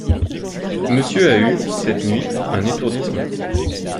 Monsieur a eu, cette nuit, un étourdissement.